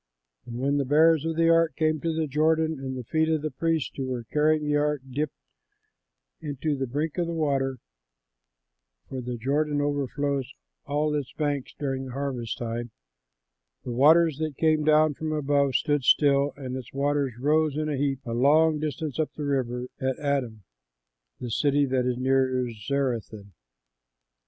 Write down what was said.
And when the bearers of the ark came to the Jordan, and the feet of the priests who were carrying the ark dipped in the brink of the water for the Jordan overflows all its banks during the harvest time the waters that came down from above stood still and its waters rose in a heap a long distance up the river at Adam, the city that is near Zarethan.